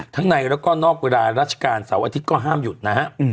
ในแล้วก็นอกเวลาราชการเสาร์อาทิตย์ก็ห้ามหยุดนะฮะ